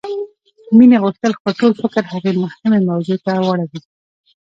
مينې غوښتل خپل ټول فکر هغې مهمې موضوع ته واړوي.